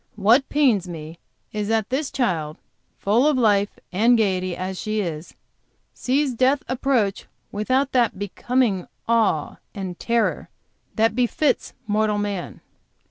What pains me is that this child, full of life and gayety as she is, sees death approach without that becoming awe and terror which befits mortal man."